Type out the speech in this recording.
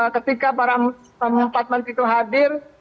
ketika para keempat menteri itu hadir